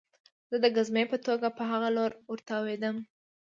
زه د ګزمې په توګه په هغه لور ورتاوېدم